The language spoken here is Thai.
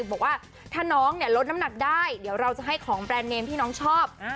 บอกว่าถ้าน้องเนี่ยลดน้ำหนักได้เดี๋ยวเราจะให้ของแบรนด์เนมที่น้องชอบ